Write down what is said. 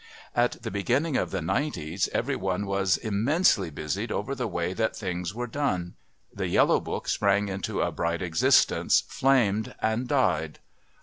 At the beginning of the nineties everyone was immensely busied over the way that things were done. The Yellow Book sprang into a bright existence, flamed, and died.